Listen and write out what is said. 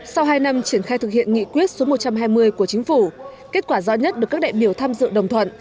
sau hai năm triển khai thực hiện nghị quyết số một trăm hai mươi của chính phủ kết quả rõ nhất được các đại biểu tham dự đồng thuận